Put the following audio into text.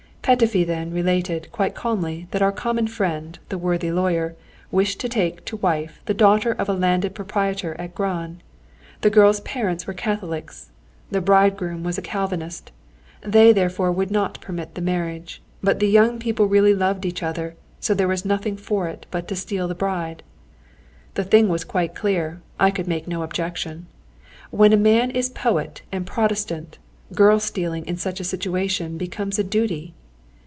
Petöfi then related, quite calmly, that our common friend, the worthy lawyer, wished to take to wife the daughter of a landed proprietor at Gran. The girl's parents were Catholics, the bridegroom was a Calvinist, they therefore would not permit the marriage. But the young people really loved each other. So there was nothing for it but to steal the bride. The thing was quite clear. I could make no objection. When a man is poet and Protestant, girl stealing in such a situation becomes a duty.